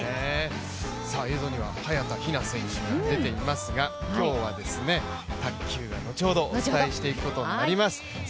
映像には早田ひな選手が出ていますが、今日は卓球は後ほどお伝えしていくことになります。